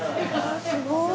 すごい！